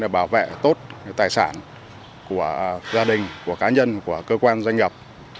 bảo vệ tốt tài sản của gia đình của cá nhân của cơ quan doanh nghiệp